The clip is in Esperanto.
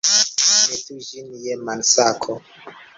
Metu ĝin je mansako.